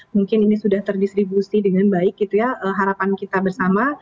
mungkin ini sudah terdistribusi dengan baik harapan kita bersama